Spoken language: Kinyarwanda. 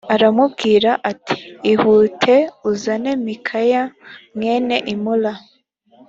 aramubwira ati ihute uzane mikaya mwene imula